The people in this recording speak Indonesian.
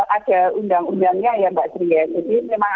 ada undang undangnya ya mbak sri ya